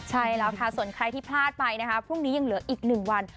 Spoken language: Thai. ใช่แล้วค่ะส่วนใครที่พลาดไปนะคะพรุ่งนี้ยังเหลืออีก๑วัน